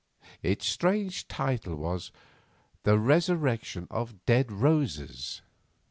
Its strange title was, "The Resurrection of Dead Roses."